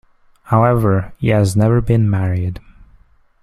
However, he has never been married.